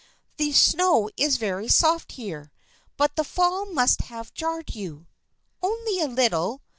" The snow is very soft here, but the fall must have jarred you." " Only a little.